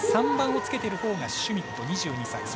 ３番をつけているほうがシュミット、２２歳。